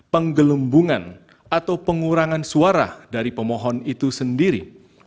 penggelembungan atau pengurangan suara dari pemohon itu sendiri